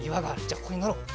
じゃあここにのろう。